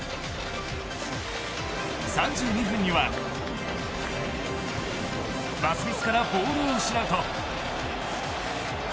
３２分にはパスミスからボールを失うと。